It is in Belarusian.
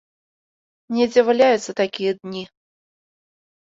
Недзе валяюцца такія дні!